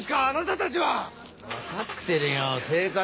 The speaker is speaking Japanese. あなたたちは！